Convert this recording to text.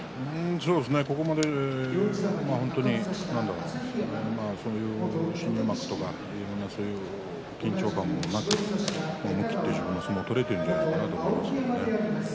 ここまで本当に新入幕とかいろいろな緊張感もなく思い切って自分の相撲を取れているのではないかと思います。